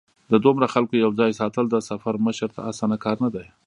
د دومره خلکو یو ځای ساتل د سفر مشر ته اسانه کار نه دی.